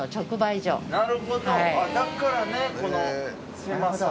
なるほどだからねこの狭さというか。